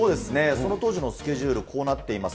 その当時のスケジュール、こうなっています。